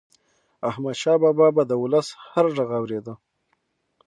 احمدشاه بابا به د ولس هر ږغ اورېده.